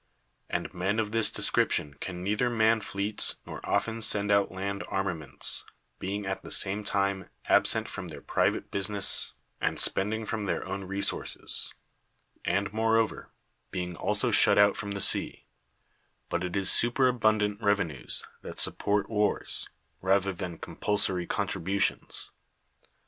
And men of this description can neither man fleets Tior often send out land armaments; being at the same time absent from their private busi 11 THE WORLD'S FAMOUS ORATIONS ness, and spending from their own resources; and, moreover, being also shut out from the sea : but it is superabundant revenues that support wars, rather than compulsory contributions.